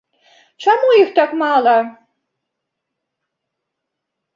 Чаму іх гэтак мала?